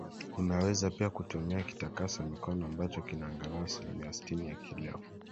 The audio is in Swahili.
Unaweza pia kutumia kitakasa mikono ambacho kina angalau asilimia Sitini ya kileo